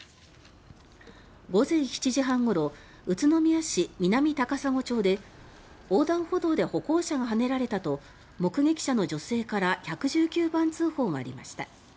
午前７時半ごろ宇都宮市南高砂町で横断歩道で歩行者がはねられたと目撃者した女性から１１９番通報がありました。